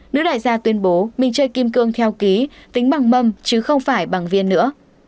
nữ đại gia tuyên bố mình chơi kim cương theo ký tính bằng mâm chứ không phải bằng viên nữa